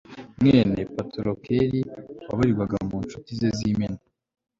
mwene patorokeli wabarirwaga mu ncuti ze z'imena